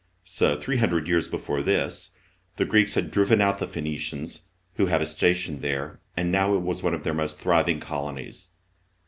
So, three hundred years before this, the Greeks had driven out the Phoenicians, who had a station there, and now it was one of their most thriving colonies.